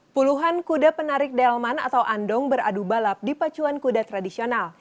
puluhan kuda penarik delman atau andong beradu balap di pacuan kuda tradisional